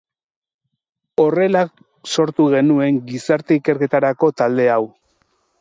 Horrela sortu genuen gizarte ikerketarako talde hau.